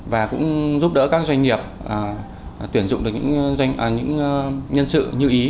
và cũng giúp đỡ các doanh nghiệp tuyển dụng được những nhân sự như ý